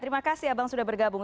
terima kasih ya bang sudah bergabung